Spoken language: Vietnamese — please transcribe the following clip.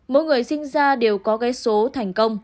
mỗi người sinh ra đều có cái số thành công